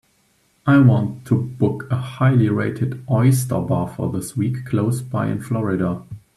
I want to book a highly rated oyster bar for this week close by in Florida.